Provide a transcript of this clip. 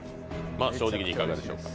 正直にいかがでしょうか？